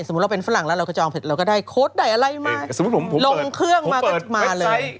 สมมุติเราเป็นฝรั่งแล้วเราก็ได้โค้ดใดอะไรมาลงเครื่องมาเลย